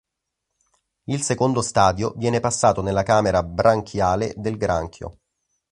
Il secondo stadio viene passato nella camera branchiale del granchio.